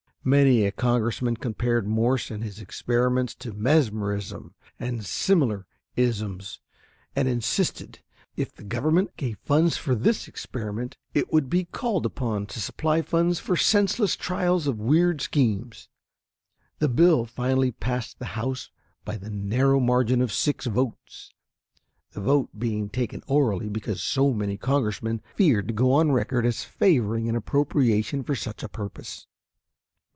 Many a Congressman compared Morse and his experiments to mesmerism and similar "isms," and insisted that if the Government gave funds for this experiment it would be called upon to supply funds for senseless trials of weird schemes. The bill finally passed the House by the narrow margin of six votes, the vote being taken orally because so many Congressmen feared to go on record as favoring an appropriation for such a purpose.